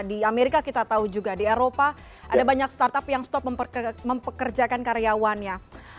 di amerika kita tahu juga di eropa ada banyak startup yang stop mempekerjakan karyawannya